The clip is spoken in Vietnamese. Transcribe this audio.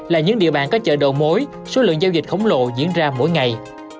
là những địa bàn có chợ đầu mối số lượng giao dịch khổng lồ diễn ra mỗi ngày